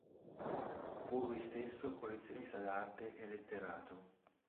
Fu lui stesso collezionista d'arte e letterato.